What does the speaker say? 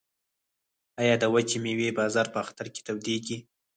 آیا د وچې میوې بازار په اختر کې تودیږي؟